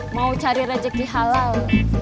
mau cari rejeki halal